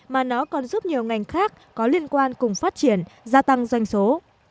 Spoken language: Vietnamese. mà nó còn giúp nhiều ngành khác có liên quan cùng phát triển gia tăng doanh số